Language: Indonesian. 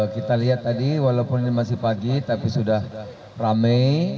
kita lihat tadi walaupun ini masih pagi tapi sudah rame